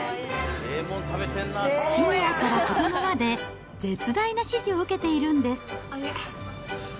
シニアから子どもまで、絶大な支持を受けているんです。